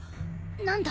何だ！？